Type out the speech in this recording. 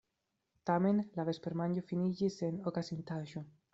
Tamen la vespermanĝo finiĝis sen okazintaĵo.